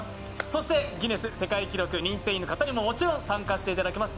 そしてギネス世界記録認定員の方にももちろん参加していただきます。